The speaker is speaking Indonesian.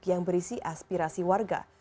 yang berisi aspirasi warga